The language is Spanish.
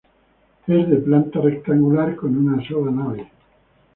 Es de planta rectangular con una sola nave.